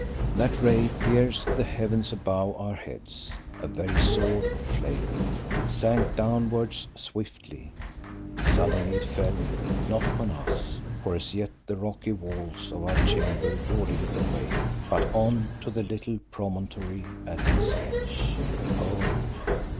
That ray pierced the heavens above our heads, a very sword of flame. It sank downwards, swiftly. Suddenly it fell, not upon us, for as yet the rocky walls of our chamber warded it away, but on to the little promontory at its edge. Oh!